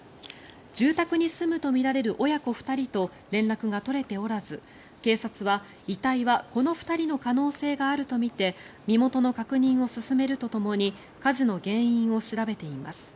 住宅に住むとみられる親子２人と連絡が取れておらず警察は、遺体はこの２人の可能性があるとみて身元の確認を進めるとともに火事の原因を調べています。